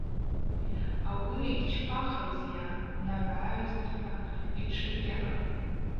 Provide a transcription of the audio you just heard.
Ауи йчпахрызйа – днагӏв-гӏагӏвызтӏхӏва йтшы гьаъам.